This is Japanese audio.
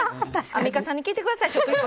アンミカさんに聞いてください